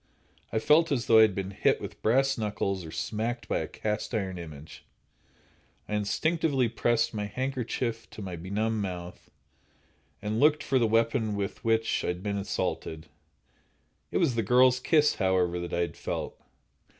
I felt as though I had been hit with brass knuckles or smacked by a cast iron image. I instinctively pressed my handkerchief to my benumbed mouth, and looked for the weapon with which I had been assaulted. It was the girl's kiss, however, that I had felt.